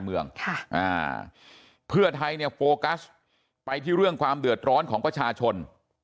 เมืองค่ะอ่าเพื่อไทยเนี่ยโฟกัสไปที่เรื่องความเดือดร้อนของประชาชน